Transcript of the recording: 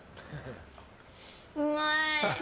うまい！